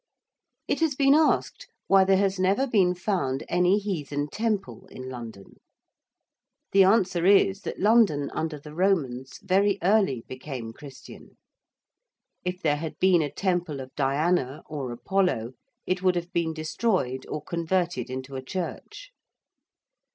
It has been asked why there has never been found any heathen temple in London; the answer is that London under the Romans very early became Christian; if there had been a temple of Diana or Apollo it would have been destroyed or converted into a church.